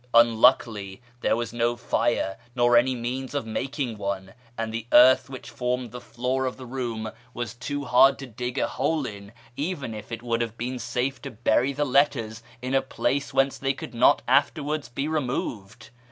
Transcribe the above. Unluckly there was no lire, nor any means of making one ; and the earth which formed the floor of the room was too hard to dig a hole in, even if it would have been safe to bury the letters in a place whence they could not afterwards he removed.